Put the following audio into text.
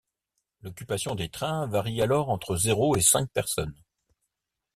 L'occupation des trains varie alors entre zéro et cinq personnes.